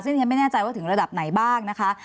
ผมไม่แน่ใจว่าถึงระดับไหนบ้างนะคะ